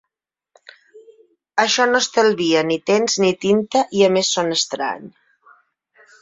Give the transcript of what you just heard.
Això no estalvia ni temps ni tinta i a més sona estrany.